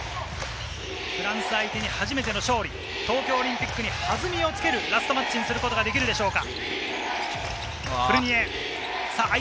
フランス相手に初めての勝利、東京オリンピックに弾みをつけるラストマッチにすることができるでしょうか。